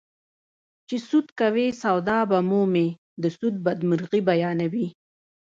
چې سود کوې سودا به مومې د سود بدمرغي بیانوي